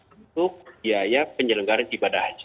untuk biaya penyelenggaraan ibadah